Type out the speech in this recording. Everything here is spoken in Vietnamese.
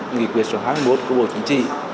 nghị quyết số hai mươi một của bộ chính trị